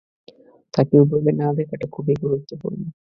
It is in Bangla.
তাকে ওভাবে না দেখাটা খুবই গুরুত্বপূর্ণ।